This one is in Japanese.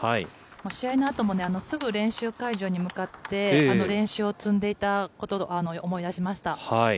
試合のあともすぐ練習会場に向かって、練習を積んでいたことを思い出しました。